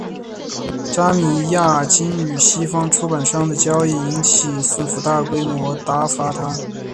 扎米亚京与西方出版商的交易引起苏联政府大规模挞伐他。